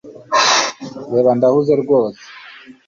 Reba ndahuze rwose